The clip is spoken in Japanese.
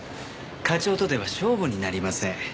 課長とでは勝負になりません。